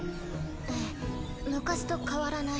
えぇ昔と変わらない。